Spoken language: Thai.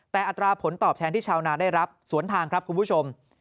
แต่อัตราผลตอบแทนที่ชาวนาได้รับสวนทางครับคุณผู้ชม